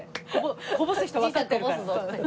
こぼす人わかってるから。